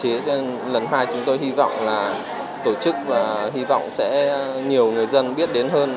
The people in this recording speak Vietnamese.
lần hai chúng tôi hy vọng là tổ chức và hy vọng sẽ nhiều người dân biết đến hơn